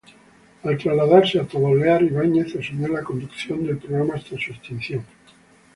Al trasladarse a Todelar, Ibáñez asumió la conducción del programa hasta su extinción.